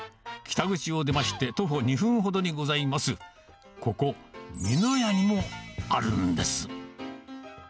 北口を出まして、徒歩２分ほどにございます、ここ、美濃屋にもあるんです。